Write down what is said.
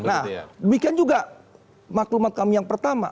nah demikian juga maklumat kami yang pertama